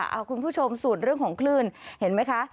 เอาคุณผู้ชมส่วนเรื่องของคลื่นเห็นไหมคะ